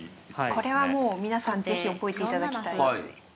これはもう皆さん是非覚えていただきたいですね。